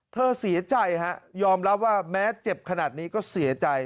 เธอเสียใจฮะยอมรับว่าแม้เจ็บขนาดนี้ก็เสียใจ